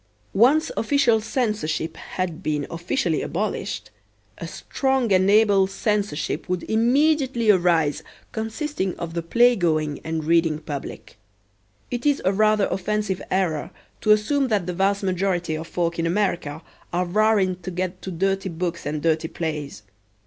Once official censorship had been officially abolished, a strong and able censorship would immediately arise consisting of the playgoing and reading public. It is a rather offensive error to assume that the vast majority of folk in America are rarin' to get to dirty books and dirty plays.